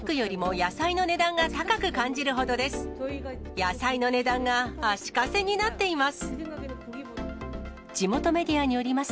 野菜の値段が足かせになっています。